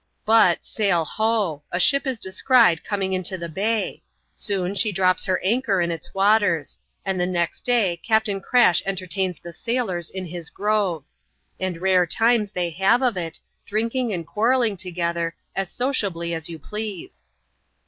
But, sail ho ! a ship is descried coming into the bay. Soon, she drops her anchor in its waters ; and the next day Captain Crash entertains the sailors in his grove. And rare times they have of it, — drinking and quarrelling together, as sociably as you please.